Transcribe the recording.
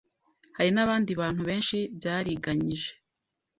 hari n'abandi bantu benshi byariganyije